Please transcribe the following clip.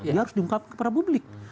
dia harus diungkap kepada publik